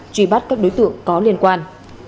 truy bắt các đối tượng có liên quan